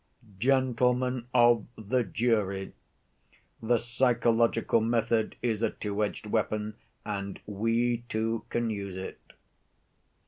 Gentlemen of the jury, the psychological method is a two‐edged weapon, and we, too, can use it.